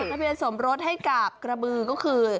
ทะเบียนสมรสให้กับกระบือก็คือ